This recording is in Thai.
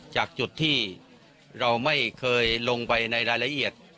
จากจุดที่เราไม่เคยลงไปในรายละเอียด